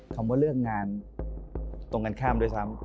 คำว่าเลิกงานตรงกันข้ามด้วยซ้ำ